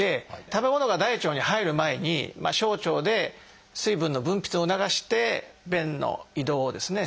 食べ物が大腸に入る前に小腸で水分の分泌を促して便の移動をですね